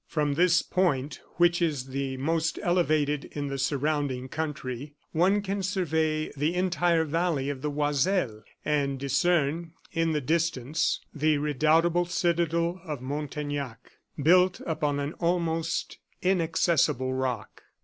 From this point, which is the most elevated in the surrounding country, one can survey the entire valley of the Oiselle, and discern, in the distance, the redoubtable citadel of Montaignac, built upon an almost inaccessible rock.